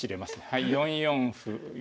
はい４四歩。